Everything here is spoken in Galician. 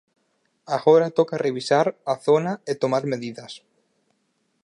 Agora toca revisar a zona e tomar medidas.